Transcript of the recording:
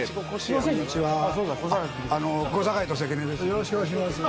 よろしくお願いします。